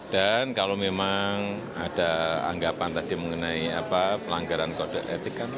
dan kalau memang ada anggapan tadi mengenai pelanggaran kode etik